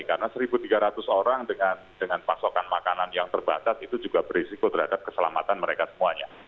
karena satu tiga ratus orang dengan pasokan makanan yang terbatas itu juga berisiko terhadap keselamatan mereka semuanya